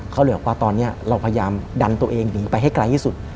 เขาเหลือว่าตอนนี้เราพยายามดันตัวเองหนีไปให้ไกลที่สุด